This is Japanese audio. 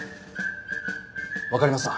わかりました。